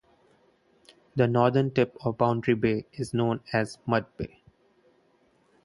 The northern tip of Boundary Bay is known as Mud Bay.